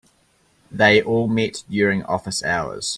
They all met during office hours.